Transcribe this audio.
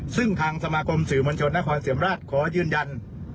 ซึ่งทางสมาคมสื่อมวลชนนครเสียมราชขอยืนยัน